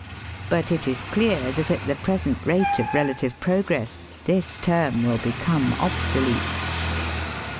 '* But it is clear that at the present rate of relative progress this term will become obsolete.